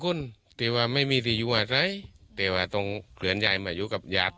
คุณแต่ว่าไม่มีที่อยู่อาจไรแต่ว่าตรงเหลือนยายมาอยู่กับยาด